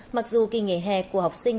mặc dù kỳ nghề hè của học sinh